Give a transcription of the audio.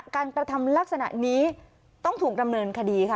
กระทำลักษณะนี้ต้องถูกดำเนินคดีค่ะ